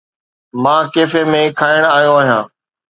مان ڪيفي ۾ کائڻ آيو آهيان.